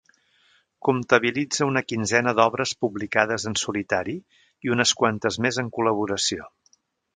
Comptabilitza una quinzena d'obres publicades en solitari, i unes quantes més en col·laboració.